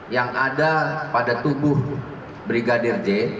yang ada pada tubuh brigadir j